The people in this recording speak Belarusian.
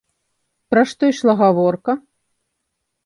Пра што ішла гаворка?